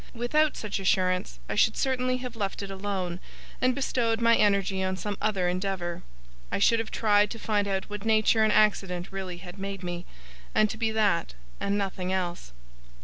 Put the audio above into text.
Without such assurance I should certainly have left it alone, and bestowed my energy on some other endeavour. I should have tried to find out what nature and accident really had made me, and to be that, and nothing else.